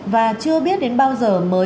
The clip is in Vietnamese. và chưa biết đến bao giờ